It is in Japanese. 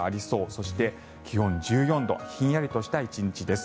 そして、気温１４度ひんやりとした１日です。